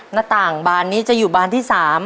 หน้าต่างบานนี้จะอยู่บานที่๓